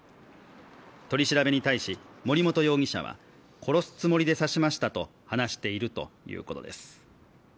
取り調べに対し、森本容疑者は、殺すつもりで刺しましたと話しているということです。